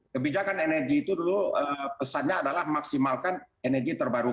kebijakan energi itu dulu pesannya adalah maksimalkan energi terbarukan